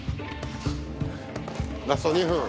ラスト２分。